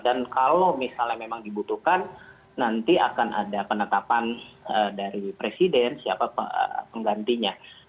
dan kalau misalnya memang dibutuhkan nanti akan ada penetapan dari presiden siapa penggantinya